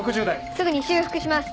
すぐに修復します。